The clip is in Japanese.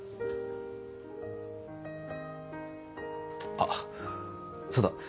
あっそうだ。